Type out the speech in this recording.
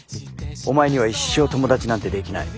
お前には一生友達なんてできない。